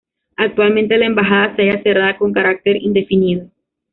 Actualmente la embajada se halla cerrada con carácter indefinido.